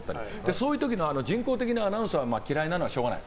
そういう時の人工的なアナウンスが嫌いなのはしょうがない。